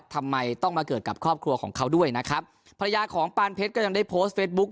ทำไมต้องมาเกิดกับครอบครัวของเขาด้วยนะครับภรรยาของปานเพชรก็ยังได้โพสต์เฟซบุ๊ค